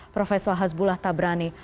prof hasbullah tabrani